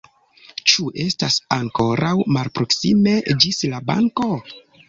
Ĉu estas ankoraŭ malproksime ĝis la banko?